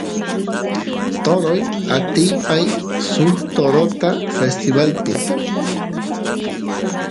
toroy atipay suk torota festivalpi